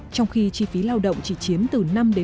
trong khi chi phí lao động chỉ chiếm từ năm một mươi